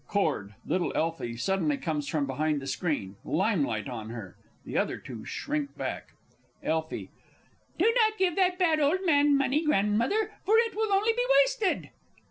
[Chord. Little ELFIE suddenly comes from behind screen; limelight on her. The other two shrink back. Elfie. Do not give that bad old man money, Grandmother, for it will only be wasted.